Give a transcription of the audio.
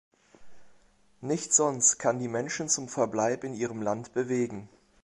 Nichts sonst kann die Menschen zum Verbleib in ihrem Land bewegen.